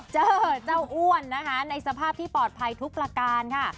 เจอเจ้าอ้วนนะคะในสภาพที่ปลอดภัยทุกประการค่ะ